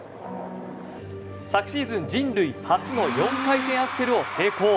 昨シーズン人類初の４回転アクセルを成功。